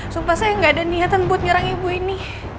sumpah saya nggak ada niatan buat nyerang ibu ini